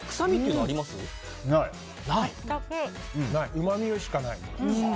うまみしかない。